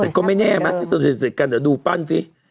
แต่ก็ไม่แน่มัติที่สนิทกันเดี๋ยวดูปั้นสิ